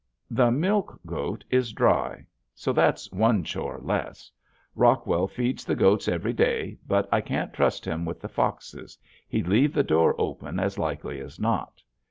The milk goat is dry, so that's one chore less. Rockwell feeds the goats every day, but I can't trust him with the foxes; he'd leave the door open as likely as not.